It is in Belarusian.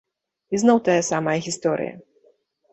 Ізноў тая самая гісторыя!